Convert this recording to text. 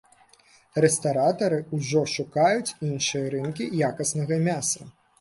Рэстаратары ўжо шукаюць іншыя рынкі якаснага мяса.